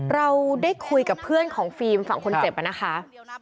เราได้คุยกับเพื่อนของฟิล์มฝั่งคนเจ็บนะคะ